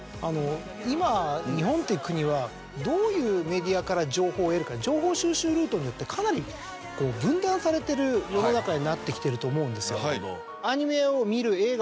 今日本っていう国はどういうメディアから情報を得るか情報収集ルートによってかなり分断されてる世の中になってきてると思うんですよ。